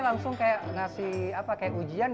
dan langsung berarti dapat nilai bagus nih kayaknya ya